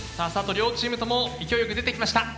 両チームとも勢いよく出てきました。